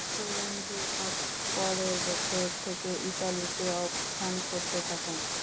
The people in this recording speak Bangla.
তরুণ যুগল পরের বছর থেকে ইতালিতে অবস্থান করতে থাকেন।